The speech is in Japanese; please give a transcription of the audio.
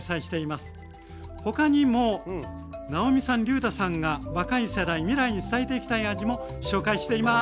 他にも直美さんりゅうたさんが若い世代未来に伝えていきたい味も紹介しています。